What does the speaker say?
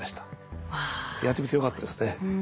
やってみてよかったですね。